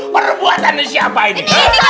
perbuatan siapa ini